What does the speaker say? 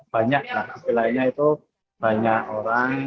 banyak lah kecil lainnya itu banyak orang